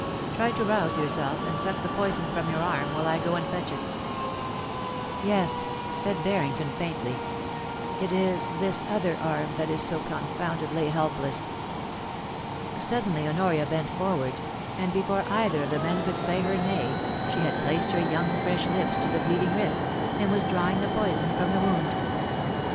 Try to rouse yourself, and suck the poison from your arm while I go and fetch it' IN THE SCRUB, 201 Yes/ said Barrington, faintly. * It is this other arm that is so confoundedly helpless.' Suddenly Honoria bent forward, and before either of the men could say her nay, she had placed her young fresh lips to the bleeding wrist, and was drawing the poison from the wound.